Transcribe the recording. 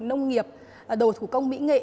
nông nghiệp đồ thủ công mỹ nghệ